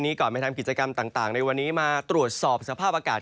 ก่อนไปทำกิจกรรมต่างในวันนี้มาตรวจสอบสภาพอากาศ